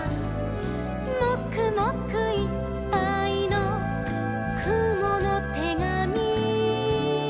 「もくもくいっぱいのくものてがみ」